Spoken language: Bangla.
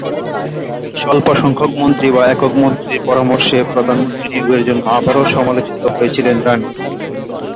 স্বল্প সংখ্যক মন্ত্রী বা একক মন্ত্রীর পরামর্শে প্রধানমন্ত্রী নিয়োগের জন্য আবারও সমালোচিত হয়েছিলেন রাণী।